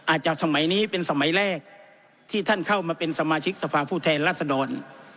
จากสมัยนี้เป็นสมัยแรกที่ท่านเข้ามาเป็นสมาชิกสภาพผู้แทนรัศดร